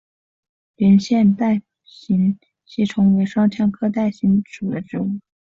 圆腺带形吸虫为双腔科带形属的动物。